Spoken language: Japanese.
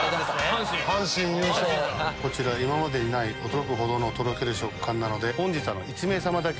こちら今までにない驚くほどとろける食感なので本日は。